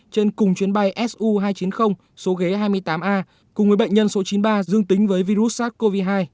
trên cùng chuyến bay su hai trăm chín mươi số ghế hai mươi tám a cùng với bệnh nhân số chín mươi ba dương tính với virus sars cov hai